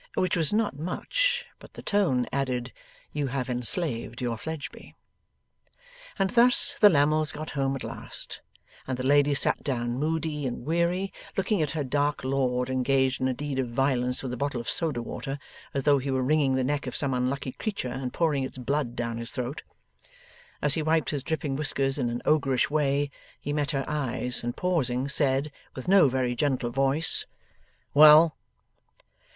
Which was not much; but the tone added, 'You have enslaved your Fledgeby.' And thus the Lammles got home at last, and the lady sat down moody and weary, looking at her dark lord engaged in a deed of violence with a bottle of soda water as though he were wringing the neck of some unlucky creature and pouring its blood down his throat. As he wiped his dripping whiskers in an ogreish way, he met her eyes, and pausing, said, with no very gentle voice: 'Well?